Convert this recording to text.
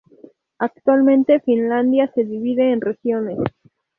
Actualmente Finlandia se divide en regiones.